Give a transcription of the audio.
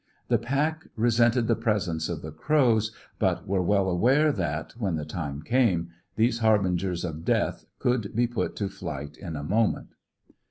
The pack resented the presence of the crows, but were well aware that, when the time came, these harbingers of death could be put to flight in a moment.